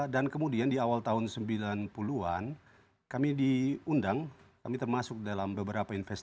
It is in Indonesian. dan kemudian di awal tahun sembilan puluh an kami diundang kami termasuk dalam beberapa informasi